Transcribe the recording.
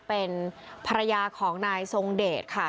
เป็นภรรยาของนายทรงเดชค่ะ